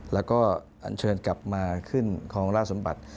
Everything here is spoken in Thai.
แล้วก็อันเชิญกลับมาขึ้นคลองราชสมบัติ